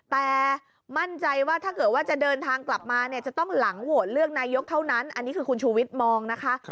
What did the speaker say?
แต่มั่นใจว่าถ้าเกิดว่าจะเดินทางกลับมาเนี่ยจะต้องหลังโหวตเลือกนายกเท่านั้นอันนี้คือคุณชูวิทย์มองนะคะ